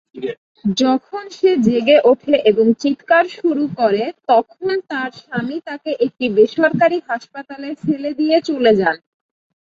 যখন সে জেগে ওঠে এবং চিৎকার শুরু করে, তখন তার স্বামী তাকে একটি বেসরকারি হাসপাতালে ফেলে দিয়ে চলে যান।